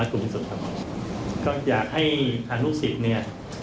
ก็อยากให้ธนุษย์นี่